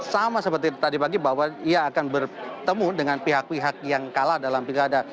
sama seperti tadi pagi bahwa ia akan bertemu dengan pihak pihak yang kalah dalam pilkada